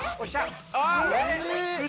あっ。